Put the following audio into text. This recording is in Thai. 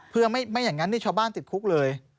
เพื่อไม่อย่างนั้นชาวบ้านติดคุกเลย